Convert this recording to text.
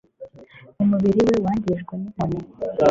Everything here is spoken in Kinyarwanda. umubiri we wangijwe n'inkoni.